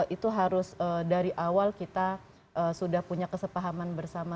itu harus dari awal kita sudah punya kesepahaman bersama